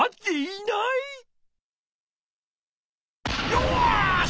よし！